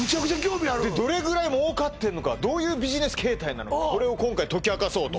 でどれぐらい儲かってんのかどういうビジネス形態なのかこれを今回解き明かそうと嘘！